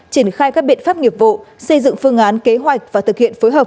triển khai các biện pháp nghiệp vụ xây dựng phương án kế hoạch và thực hiện phối hợp